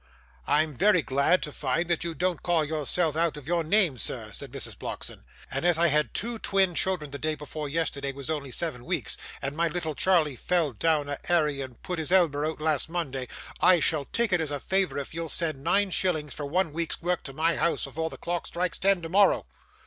'I'm very glad to find that you don't call yourself out of your name, sir,' said Mrs. Blockson; 'and as I had two twin children the day before yesterday was only seven weeks, and my little Charley fell down a airy and put his elber out, last Monday, I shall take it as a favour if you'll send nine shillings, for one week's work, to my house, afore the clock strikes ten tomorrow.